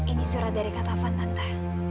ini surat dari kata taufan tante